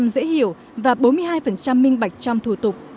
năm mươi dễ hiểu và bốn mươi hai minh bạch trong thủ tục